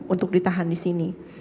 untuk ditahan disini